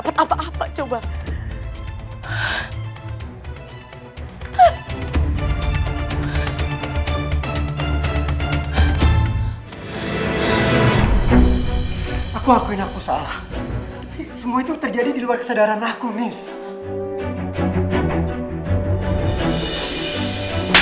tapi semua itu terjadi di luar kesadaran aku miss